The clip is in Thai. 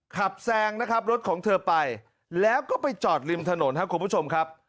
แซงนะครับรถของเธอไปแล้วก็ไปจอดริมถนนครับคุณผู้ชมครับ